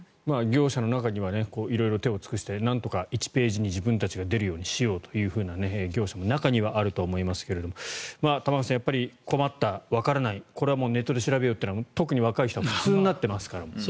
業者の中には色々、手を尽くしてなんとか１ページ目に自分たちが出るようにしようという業者も中にはあると思いますが玉川さん、困ったわからないこれはネットで調べようというのは特に若い人は普通になっていますから。